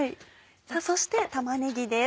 そして玉ねぎです。